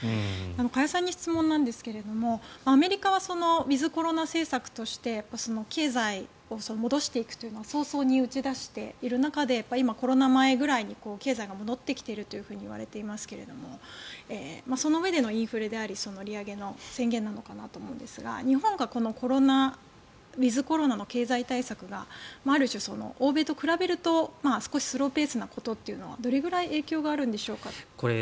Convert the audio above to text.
加谷さんに質問なんですがアメリカはウィズコロナ政策として経済を戻していくというのを早々に打ち出している中で今、コロナ前ぐらいに経済が戻ってきているといわれていますがそのうえでのインフレであり利上げの宣言なのかなと思うんですが日本のウィズコロナの経済対策がある種、欧米と比べると少しスローペースな影響はどれぐらい影響があるんでしょうか？